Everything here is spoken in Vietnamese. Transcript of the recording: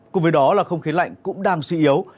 cùng với đó là không khí lạnh cũng đang suy yếu